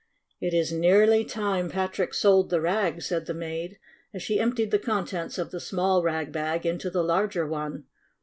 "It is nearly time Patrick sold the rags," said the maid, as she emptied the contents of the small rag bag into the larger one.